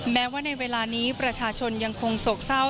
แม้ว่าในเวลานี้ประชาชนยังคงโศกเศร้า